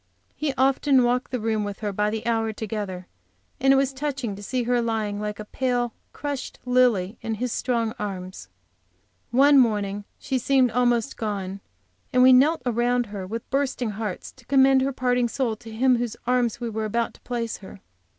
He often walked the room with her by the hour together, and it was touching to see her lying like a pale; crushed lily in his strong arms. One morning she seemed almost gone, and we knelt around her with bursting hearts, to commend her parting soul to Him in whose arms we were about to place her.